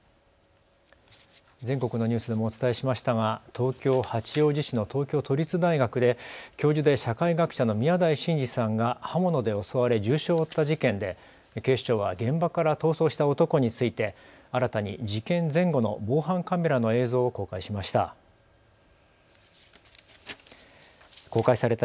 全国のニュースでもお伝えしましたが東京八王子市の東京都立大学で教授で社会学者の宮台真司さんが刃物で襲われ重傷を負った事件で警視庁は現場から逃走した男について新たに事件前後の防犯カメラの映像を公開しました。